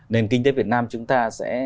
nền kinh tế việt nam chúng ta sẽ